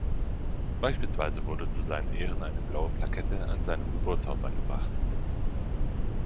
Beispielsweise wurde zu seinen Ehren eine blaue Plakette an seinem Geburtshaus angebracht.